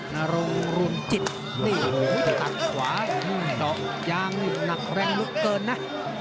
นรงรุนจิตตัดขวาดอกยางนี่หนักแรงลุดเกินนะ